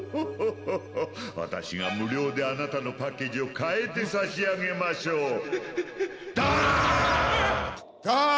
私が無料であなたのパッケージを変えて差し上げましょう。